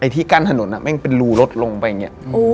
ที่กั้นถนนแม่งเป็นรูรถลงไปอย่างนี้